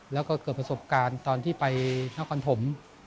แล้วก็เกิดประสบการณ์ตอนที่ไปนครปฐม